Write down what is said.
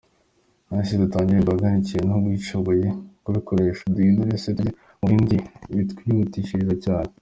Nonese dutangire duhangayike ntitugishoboye kubikoresha? Duhindure se tujye ku bindi bitatwihutisha cyane?.